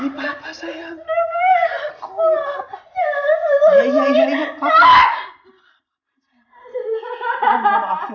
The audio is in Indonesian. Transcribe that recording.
untuk men homepage untuk perilaku